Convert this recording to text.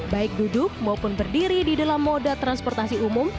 baik duduk maupun berdiri di dalam moda transportasi umum